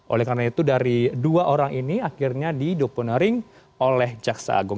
oleh karena itu dari dua orang ini akhirnya didoponaring oleh jaksa agung